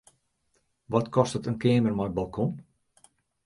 Wat kostet in keamer mei balkon?